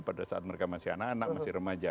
pada saat mereka masih anak anak masih remaja